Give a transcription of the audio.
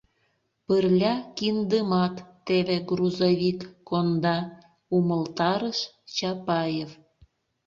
— Пырля киндымат теве грузовик конда, — умылтарыш Чапаев.